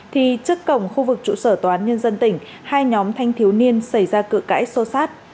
thì trước cổng khu vực trụ sở tòa án nhân dân tỉnh hai nhóm thanh thiếu niên xảy ra cửa cãi sô sát